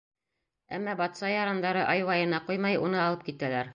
Әммә батша ярандары ай-вайына ҡуймай уны алып китәләр.